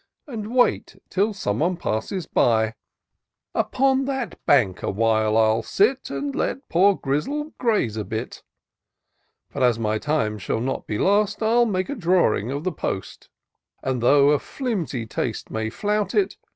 And wait till some one passes by : Upon that bank awhile 111 sit. And let poor Grizzle graze a bit ; But, as my time shaU not be lost, I'll make a drawing of the post ; And, tho' a flimsy taste may flout it.